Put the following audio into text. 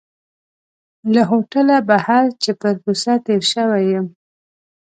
له هوټله بهر چې پر کوڅه تېر شوی یم.